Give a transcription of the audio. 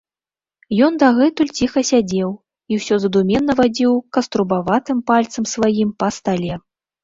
Ён дагэтуль ціха сядзеў і ўсё задуменна вадзіў каструбаватым пальцам сваім па стале.